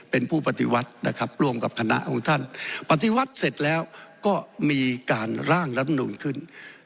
เป็นผู้ปฏิวัตินะครับร่วมกับคณะของท่านปฏิวัติเสร็จแล้วก็มีการร่างรัฐมนูนขึ้น